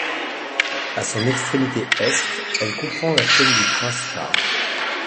À son extrémité Est, elle comprend la chaîne du Prince Charles.